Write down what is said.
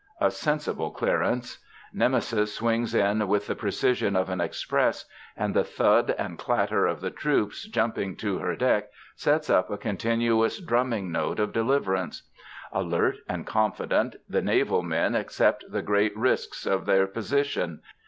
A sensible clearance! Nemesis swings in with the precision of an express, and the thud and clatter of the troops jumping to her deck sets up a continuous drumming note of deliverance. Alert and confident, the naval men accept the great risks of their position.